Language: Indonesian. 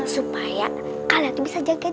supaya kalian itu bisa jaga giris